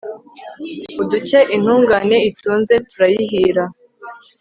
uduke intungane itunze turayihira